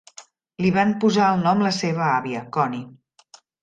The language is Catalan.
Li van posar el nom la seva àvia, Connie.